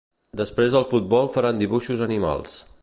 Després del futbol faran dibuixos animals